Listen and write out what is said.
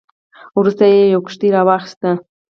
وروسته یې یوه کښتۍ واخیسته.